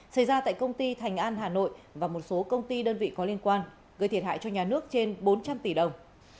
xảy ra tại công ty thành an hà nội và một số công ty đơn vị có liên quan gây thiệt hại cho nhà nước trên bốn trăm linh tỷ đồng